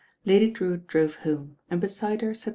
Lady Drewitt drove home, and beside her sat Mre.